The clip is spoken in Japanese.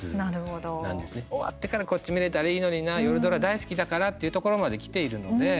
終わってからこっち見れたらいいのにな夜ドラ大好きだからっていうところまできているので。